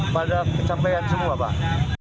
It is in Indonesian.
pada pencapaian semua bang